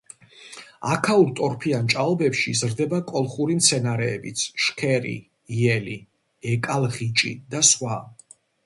აქაურ ტორფიან ჭაობებში იზრდება კოლხური მცენარეებიც: შქერი, იელი, ეკალღიჭი და სხვა.